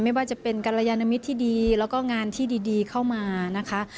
ไม่ว่าจะเป็นกรยานมิตรที่ดีแล้วก็งานที่ดีเข้ามานะคะ